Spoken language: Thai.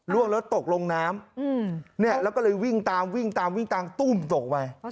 ล่วงแล้วตกลงน้ำแล้วก็เลยวิ่งตามวิ่งตามวิ่งตามตุ้มตกไป